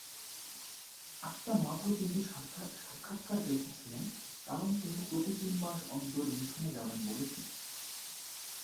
আক্তার মাত্র তিনটি সাক্ষাৎকার রেখেছিলেন কারণ তিনি প্রতি তিন মাস অন্তর মিশনে যাবেন বলেছিলেন।